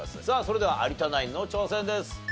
さあそれでは有田ナインの挑戦です。